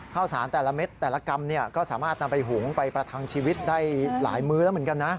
ข้าวสารแต่ละเม็ดแต่ละกรัมก็สามารถนำไปหุงไปประทังชีวิตได้หลายมื้อแล้วเหมือนกันนะ